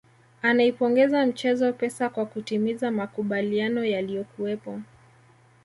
Anaipongeza mchezo Pesa kwa kutimiza makubaliano yaliyokuwepo